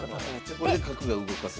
これで角が動かせる。